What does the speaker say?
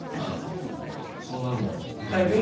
そんなのも勉強の。